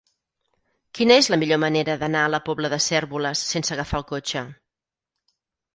Quina és la millor manera d'anar a la Pobla de Cérvoles sense agafar el cotxe?